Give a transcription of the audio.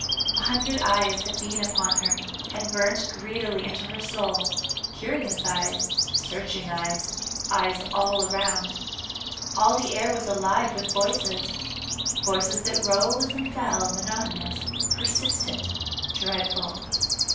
A hundred eyes had been upon her, had burnt greedily into her soul — curious eyes, searching eyes, eyes all around. All the air was alive with voices r voices that rose and fell monotonous, persistent, dreadful.